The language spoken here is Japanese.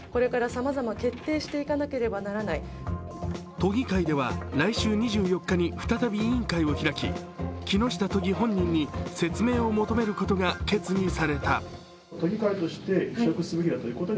都議会では来週２４日に再び委員会を開き木下都議本人に説明を求めることが決議された。